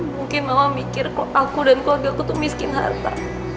mungkin mama mikir kok aku dan keluarga aku tuh miskin harta